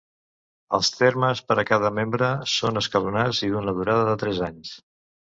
Els termes per a cada membre són escalonats i d'una durada de tres anys.